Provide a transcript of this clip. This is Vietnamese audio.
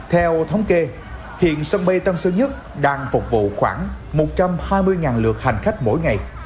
theo thống kê hiện sân bay tân sơn nhất đang phục vụ khoảng một trăm hai mươi lượt hành khách mỗi ngày